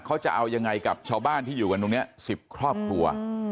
เขาจะเอายังไงกับชาวบ้านที่อยู่กันตรงนี้๑๐ครอบครัว